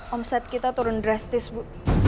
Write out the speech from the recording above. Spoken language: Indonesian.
omset kita turun drastis bu